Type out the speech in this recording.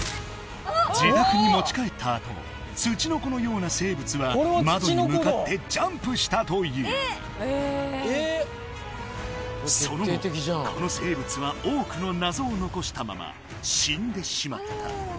自宅に持ち帰ったあとツチノコのような生物は窓に向かってジャンプしたというその後この生物は多くの謎を残したまま死んでしまった